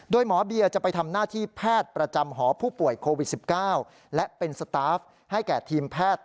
โดยหมอเบียจะไปทำหน้าที่แพทย์ประจำหอผู้ป่วยโควิด๑๙และเป็นสตาฟให้แก่ทีมแพทย์